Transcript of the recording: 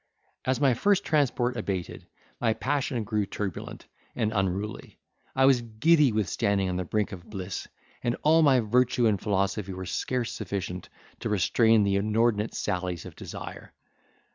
As my first transport abated, my passion grew turbulent and unruly. I was giddy with standing on the brink of bliss, and all my virtue and philosophy were scarce sufficient to restrain the inordinate sallies of desire.